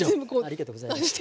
ありがとうございます。